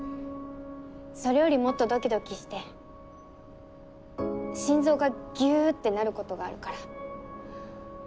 それよりもっとドキドキして心臓がギュってなることがあるから。